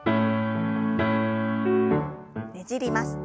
ねじります。